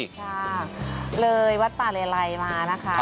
ค่ะเลยวัดป่าเลไลมานะคะ